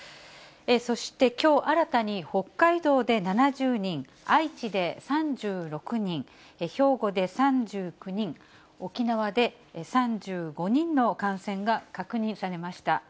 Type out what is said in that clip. そして、きょう新たに北海道で７０人、愛知で３６人、兵庫で３９人、沖縄で３５人の感染が確認されました。